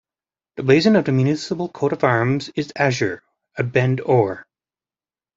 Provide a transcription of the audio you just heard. The blazon of the municipal coat of arms is Azure, a bend Or.